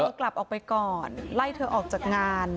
กลับออกไปก่อนไล่เธอออกจากงาน